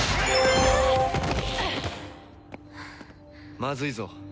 まずいぞ。